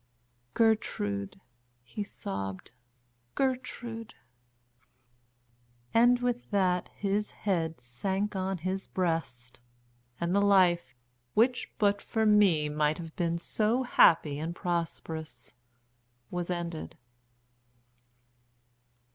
"Gertrude!" he sobbed. "Gertrude!" And with that his head sank on his breast, and the life, which but for me might have been so happy and prosperous, was ended.